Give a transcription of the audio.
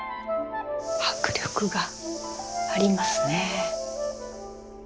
迫力がありますね。